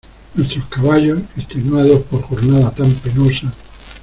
nuestros caballos, extenuados por jornada tan penosa